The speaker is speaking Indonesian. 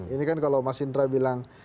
ini kan kalau mas indra bilang